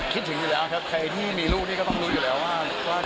คิดถึงอยู่แล้วครับใครที่มีลูกนี่ก็ต้องรู้อยู่แล้วว่า